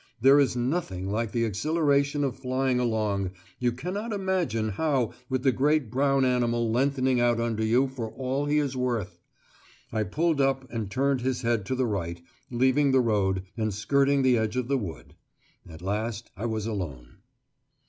There is nothing like the exhilaration of flying along, you cannot imagine how, with the great brown animal lengthening out under you for all he is worth! I pulled him up and turned his head to the right, leaving the road, and skirting the edge of the wood. At last I was alone.